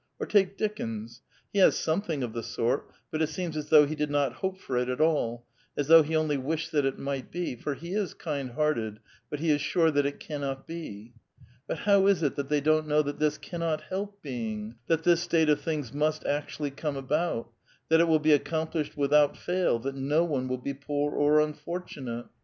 Or take Dickens ; he has something of the sort, but it seems as though' he did not hope for it at all, as though he only wished that it might be, for he is kind hearted, but he is sure that it cannot be. But how is it that they don't know that this cannot help • being, that this state of things must actually come about, that it will be accomplished without fail, that no one will be poor or unfortunate?